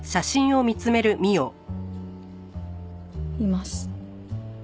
います。